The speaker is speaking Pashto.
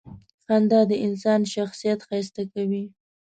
• خندا د انسان شخصیت ښایسته کوي.